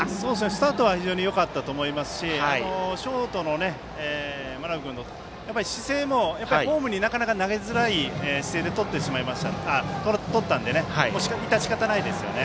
スタートは非常によかったと思いますしショートの真鍋君の姿勢もホームになかなか投げづらい姿勢でとったので致し方ないですね。